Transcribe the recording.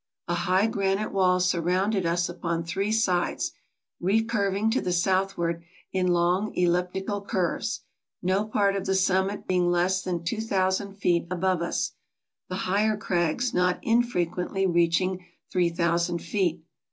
A high granite wall surrounded us upon three sides, recurving to the southward in long elliptical curves ; no part of the summit being less than 2000 feet above us, the higher crags not infrequently reaching 3000 feet.